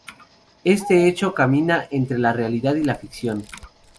Este hecho camina entre la realidad y la ficción.